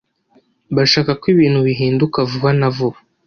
bashaka ko ibintu bihinduka vuba na vuba,